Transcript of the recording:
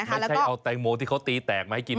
ไม่ใช่เอาแตงโมที่เขาตีแตกมาให้กิน